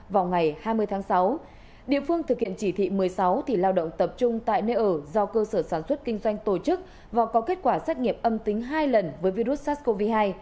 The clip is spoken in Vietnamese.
vào ngày hai mươi tháng sáu địa phương thực hiện chỉ thị một mươi sáu thì lao động tập trung tại nơi ở do cơ sở sản xuất kinh doanh tổ chức và có kết quả xét nghiệm âm tính hai lần với virus sars cov hai